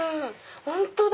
本当だ！